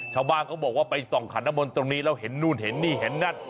ชาวบ้านเขาบอกว่าไปส่องขันน้ำมนต์ตรงนี้แล้วเห็นนู่นเห็นนี่เห็นนั่น